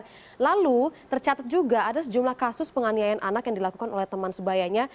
dan lalu tercatat juga ada sejumlah kasus penganiayaan anak yang dilakukan oleh teman sebayanya